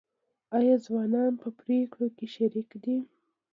آیا ځوانان په پریکړو کې شریک دي؟